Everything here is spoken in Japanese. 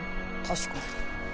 確かに。